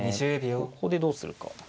ここでどうするか。